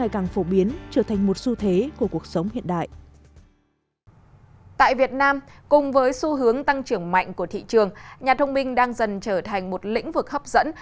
cùng với xu hướng tăng trưởng mạnh của thị trường nhà thông minh đang dần trở thành một lĩnh vực hấp dẫn